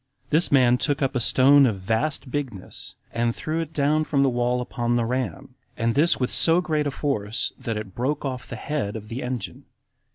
This man took up a stone of a vast bigness, and threw it down from the wall upon the ram, and this with so great a force, that it broke off the head of the engine.